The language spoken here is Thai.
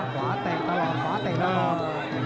ขวาแต่งตลอดขวาเตะตลอด